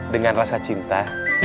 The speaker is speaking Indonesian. dengan rasa cinta